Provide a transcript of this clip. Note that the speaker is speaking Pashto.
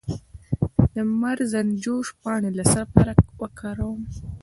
د مرزنجوش پاڼې د څه لپاره وکاروم؟